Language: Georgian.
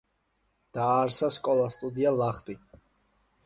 დააარსა სკოლა-სტუდია „ლახტი“.